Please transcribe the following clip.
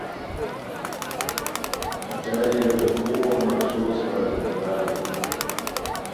جائے وقوعو نقشو سورا جنجال ہوئے